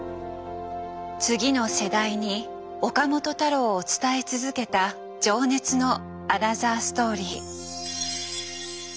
次の世代に岡本太郎を伝え続けた情熱のアナザーストーリー。